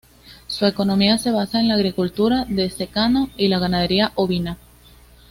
Su economía se basa en la agricultura de secano y la ganadería ovina.